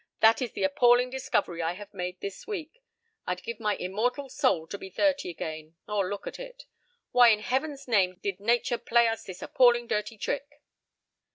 That is the appalling discovery I have made this week. I'd give my immortal soul to be thirty again or look it. Why in heaven's name did nature play us this appalling dirty trick?"